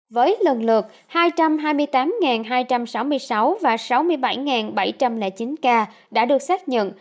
với lần lượt hai trăm hai mươi tám hai trăm sáu mươi sáu và sáu mươi bảy bảy trăm linh chín ca đã được xác nhận